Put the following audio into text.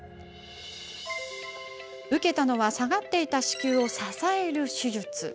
受けたのは下がっていた子宮を支える手術。